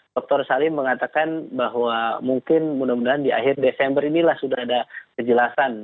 dr salim mengatakan bahwa mungkin mudah mudahan di akhir desember inilah sudah ada kejelasan